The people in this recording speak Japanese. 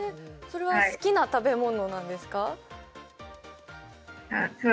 それは好きな食べ物なんですか？